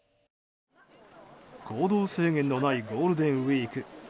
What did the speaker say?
行動制限のないゴールデンウィーク。